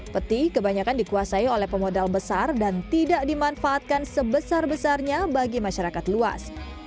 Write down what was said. peti kebanyakan dikuasai oleh pemodal besar dan tidak dimanfaatkan sebesar besarnya bagi masyarakat luas